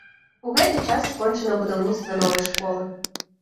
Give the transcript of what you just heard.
У гэты час скончана будаўніцтва новай школы.